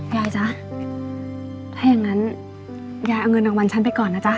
จ๊ะถ้าอย่างนั้นยายเอาเงินรางวัลฉันไปก่อนนะจ๊ะ